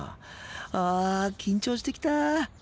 あ緊張してきた。